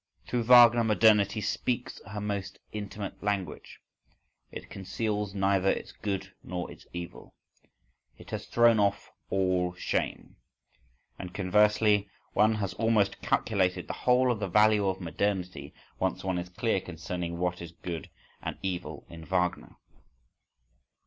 Through Wagner modernity speaks her most intimate language: it conceals neither its good nor its evil: it has thrown off all shame. And, conversely, one has almost calculated the whole of the value of modernity once one is clear concerning what is good and evil in Wagner.